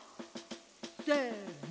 せの！